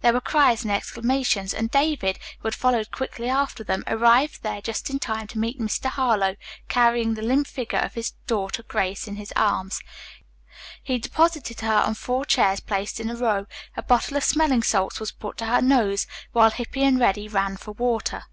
There were cries and exclamations, and David, who had followed quickly after them, arrived there just in time to meet Mr. Harlowe carrying the limp figure of his daughter Grace in his arms. He deposited her on four chairs placed in a row, a bottle of smelling salts was put to her nose, while Hippy and Reddy ran for water.